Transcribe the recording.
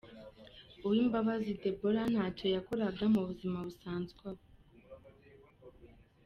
Uwimbabazi Deborah ntacyo yakoraga mu buzima busanzwe aho.